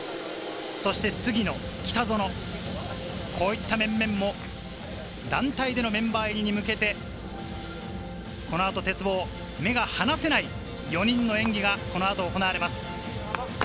そして杉野、北園、こういった面々も団体でのメンバー入りに向けて、この後、鉄棒、目が離せない、４人の演技がこの後、行われます。